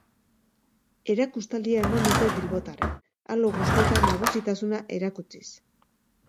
Erakustaldia eman dute bilbotarrek, arlo guztietan nagusitasuna erakutsiz.